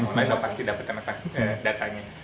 online pasti dapatkan data nya